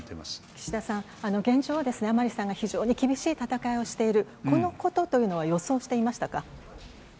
岸田さん、現状はですね、甘利さんが非常に厳しい戦いをしている、このことというのは予想していましたか。